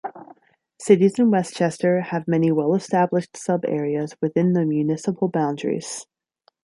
Cities in Westchester have many well established sub-areas within the municipal boundaries.